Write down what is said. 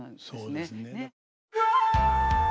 そうですね。